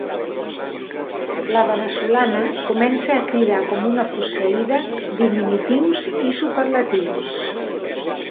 La veneçolana comença a cridar com una posseïda diminutius i superlatius.